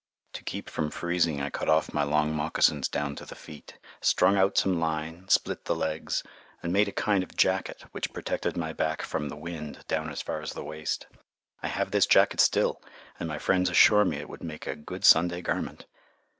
To keep from freezing, I cut off my long moccasins down to the feet, strung out some line, split the legs, and made a kind of jacket, which protected my back from the wind down as far as the waist. I have this jacket still, and my friends assure me it would make a good Sunday garment.